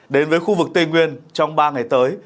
đến với khu vực tây nguyên trong ba ngày tới